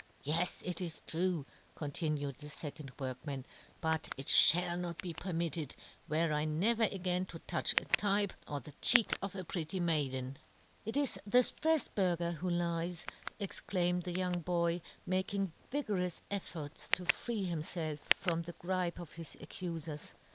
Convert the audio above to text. " Yes, " it is true," continued the fecond workman, " but it fhall not be per " mitted, were I never again to touch " a type, or the cheek of a pretty " maiden !"" It is the Strafburger who lies !" exclaimed the young boy, making vigorous efforts to free himfelf from the gripe of his accufers.